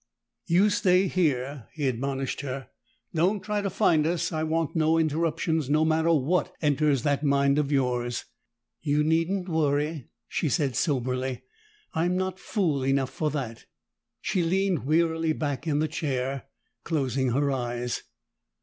"You stay here," he admonished her. "Don't try to find us; I want no interruptions, no matter what enters that mind of yours!" "You needn't worry," she said soberly. "I'm not fool enough for that." She leaned wearily back in the chair, closing her eyes.